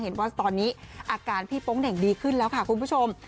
เห็นว่าตอนนี้อาการพี่โป๊งเหน่งดีขึ้นแล้วค่ะคุณผู้ชม